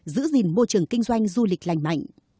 giữ gìn môi trường kinh doanh du lịch lành mạnh